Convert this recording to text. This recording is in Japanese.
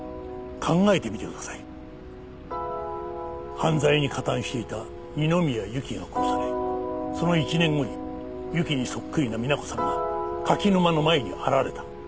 犯罪に加担していた二宮ゆきが殺されその１年後にゆきにそっくりなみな子さんが柿沼の前に現れた。